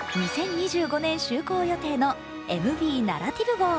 ２０２５年就航予定の「ＭＶナラティブ」号。